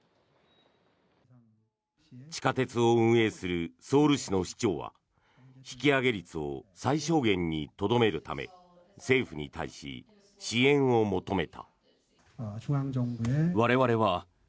地下鉄を運営するソウル市の市長は引き上げ率を最小限にとどめるため政府に対し、支援を求めた。